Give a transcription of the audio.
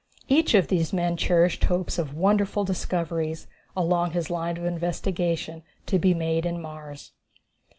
Each of these men cherished hopes of wonderful discoveries, along his line of investigation, to be made in Mars.